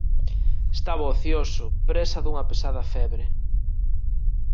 Estaba ocioso, presa dunha pesada febre: